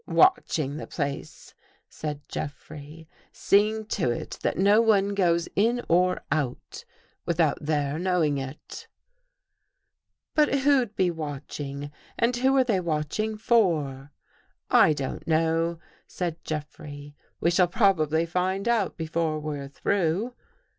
"" Watching the place," said Jeffrey. " Seeing to it that no one goes in or out, without their knowing it." 215 THE GHOST GIRt: " But who'd be watching? And who are they watching for? " I " I don't know," said Jeffrey. " We shall prob \ ably find out before we're through."